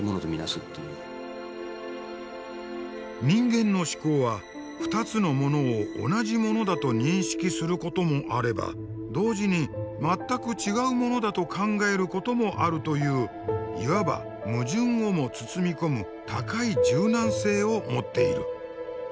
人間の思考は２つのものを同じものだと認識することもあれば同時に全く違うものだと考えることもあるといういわば矛盾をも包み込む高い柔軟性を持っている。